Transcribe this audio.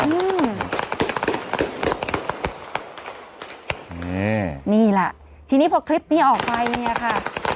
นี่นี่ล่ะทีนี้พอคลิปนี้ออกไปอย่างนี้ค่ะ